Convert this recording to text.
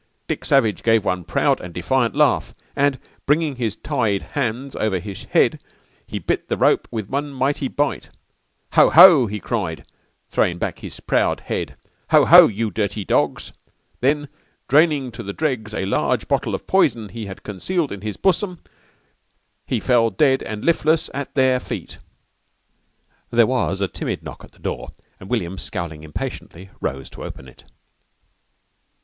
'_ _"Dick Savage gave one proud and defiant laugh, and, bringing his tide hands over his hed he bit the rope with one mighty bite._ "'Ho! ho!' he cried, throwing back his proud hed, 'Ho, ho! You dirty dogs!' _"Then, draining to the dregs a large bottle of poison he had concealed in his busum he fell ded and lifless at there feet.'"_ There was a timid knock at the door and William, scowling impatiently, rose to open it.